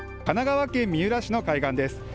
神奈川県三浦市の海岸です。